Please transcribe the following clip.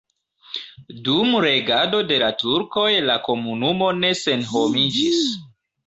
Dum regado de la turkoj la komunumo ne senhomiĝis.